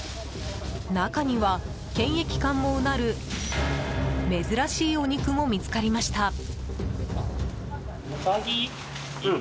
中には、検疫官もうなる珍しいお肉も見つかりました。